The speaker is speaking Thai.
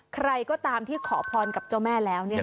ใครก็ตามที่ขอพรกับเจ้าแม่แล้ว